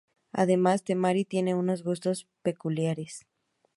Además, Temari tiene unos gustos peculiares.